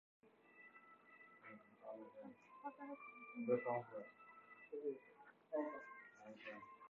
Arthur Parker's wife, Helen Parker, assumed control of the company and prevented its liquidation.